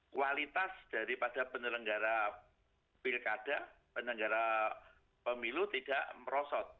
kualitas daripada penyelenggara pilkada penyelenggara pemilu tidak merosot